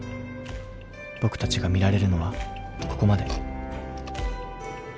僕たちが見られるのはここまで。